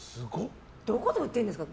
どこで売ってるんですか？